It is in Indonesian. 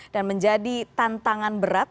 dan menjadi tantangan berat